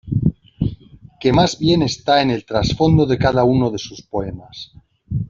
Que más bien está en el trasfondo de cada uno de sus poemas.